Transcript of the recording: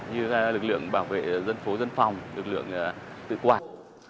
như lực lượng bảo vệ dân phố dân phòng lực lượng tự quản